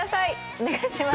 お願いします